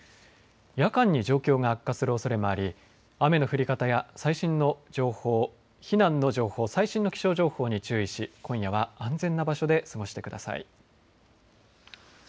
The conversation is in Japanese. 夜間に状況が悪化するおそれもあり、雨の降り方や最新の情報、避難の情報、最新の気象情報に注意し、今夜は安全な場所で過ごしてください。